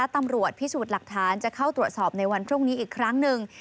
ตำรวจพิสูจน์หลักฐานจะเข้าตรวจสอบในวันพรุ่งนี้อีกครั้งหนึ่ง